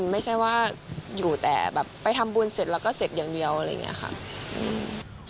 ไม่ใช่ว่าอยู่แต่แบบไปทำบุญเสร็จแล้วก็เสร็จอย่างเดียวอะไรอย่างนี้ค่ะ